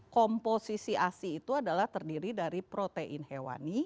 komposisi asi itu adalah terdiri dari protein hewani